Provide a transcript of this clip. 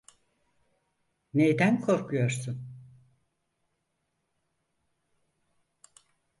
Neyden korkuyorsun?